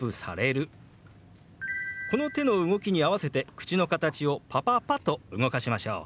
この手の動きに合わせて口の形を「パパパ」と動かしましょう。